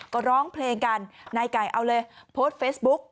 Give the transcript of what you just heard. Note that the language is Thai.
ก็ร้องเพลงกันนายไก่เอาเลยโพสต์เฟซบุ๊ก